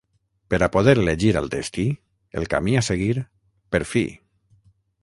Per a poder elegir el destí, el camí a seguir, per fi!